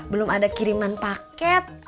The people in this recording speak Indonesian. belum ada kiriman paket